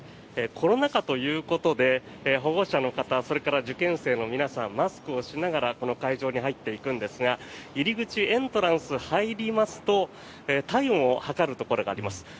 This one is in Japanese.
コロナ禍ということで保護者の方それから受験生の皆さんマスクをしながらこの会場に入っていくんですが入り口、エントランス入りますと体温を測るところがあります。